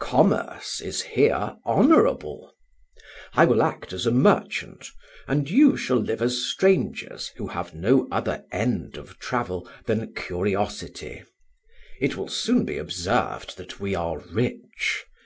Commerce is here honourable. I will act as a merchant, and you shall live as strangers who have no other end of travel than curiosity; it will soon be observed that we are rich.